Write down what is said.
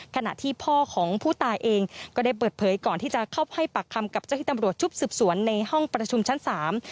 ขณะที่พ่อของผู้ตายเองก็ได้เปิดเผยก่อนที่จะเข้าให้ปากคำกับเจ้าที่ตำรวจชุดสืบสวนในห้องประชุมชั้นสาม